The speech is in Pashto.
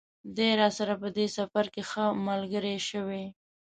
دی راسره په دې سفر کې ښه ملګری شوی.